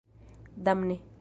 Damne!